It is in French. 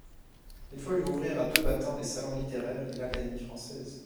Il faut lui ouvrir à deux battants les salons littéraires et l'Académie française.